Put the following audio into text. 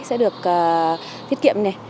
sẽ được thiết kiệm